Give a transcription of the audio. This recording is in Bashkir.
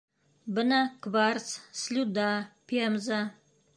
Бына кварц, слюда, пемза...